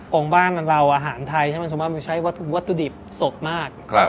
ของบ้านเราอาหารไทยใช่ไหมส่วนมากมันใช้วัตถุดิบสดมาก